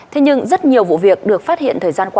thế nhưng rất nhiều vụ việc được phát hiện thời gian qua